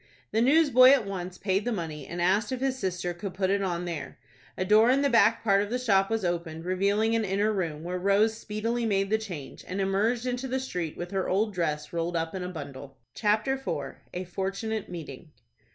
The newsboy at once paid the money, and asked if his sister could put it on there. A door in the back part of the shop was opened, revealing an inner room, where Rose speedily made the change, and emerged into the street with her old dress rolled up in a bundle. CHAPTER IV. A FORTUNATE MEETING.